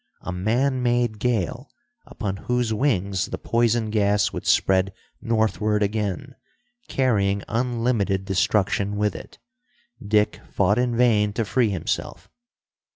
A man made gale, upon whose wings the poison gas would spread northward again, carrying unlimited destruction with it. Dick fought in vain to free himself.